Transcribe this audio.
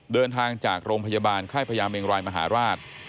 เดินทางจากโรงพยาบาลค่ายพญาเมงรายมหาราช